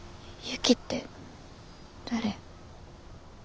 ユキって誰？